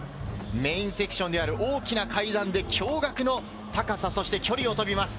メインセクションである大きな階段で驚愕の高さ、そして距離を飛びます。